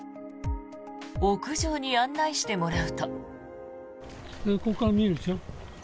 屋上に案内してもらうと。